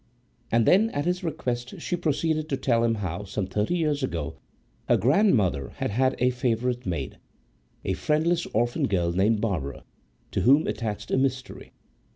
And then, at his request, she proceeded to tell him how, some thirty years ago, her grandmother had had a favourite maid, a friendless orphan girl named Barbara, to whom attached a mystery.